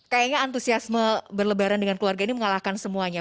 kayaknya antusiasme berlebaran dengan keluarga ini mengalahkan semuanya